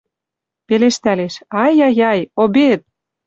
Пелештӓлеш: «Ай-ай-ай, обед!..»